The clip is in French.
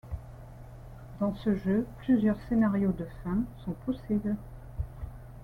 Dans ce jeu, plusieurs scénarios de fin sont possibles.